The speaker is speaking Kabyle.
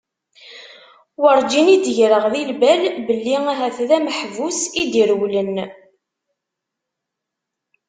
Werǧin i d-greɣ di lbal belli ahat d ameḥbus i d-irewlen.